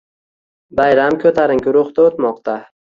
Bayram ko‘tarinki ruhda o‘tmoqda